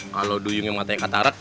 kalau duyung yang ngatanya katarak